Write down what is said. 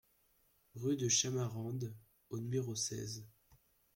Rue de Chamarandes au numéro seize